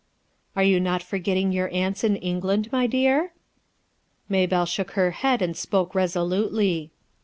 "Are you not forgetting your aunts in Eng land, my dear?" Maybellc shook her head and spoke resolutely.